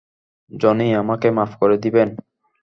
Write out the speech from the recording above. Johnny, আমাকে মাফ করে দিবেন।